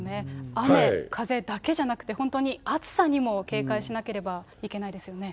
雨、風だけじゃなくて、本当に暑さにも警戒しなければいけないですよね。